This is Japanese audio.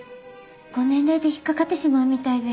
ご年齢で引っ掛かってしまうみたいで。